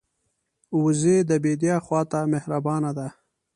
وزې د بیدیا خوا ته مهربانه ده